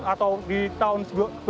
atau di tahun dua ribu sembilan belas